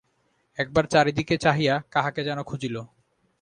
একবার চারি দিকে চাহিয়া কাহাকে যেন খুঁজিল।